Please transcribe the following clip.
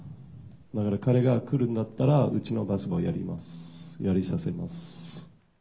だから彼が来るんだったら、うちのバスケをやります、やりさせます。